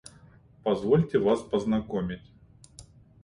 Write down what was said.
Позвольте вас познакомить.